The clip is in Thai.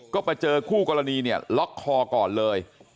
ก็มาเจอคู่กรณีเนี่ยล็อกคอก่อนเลย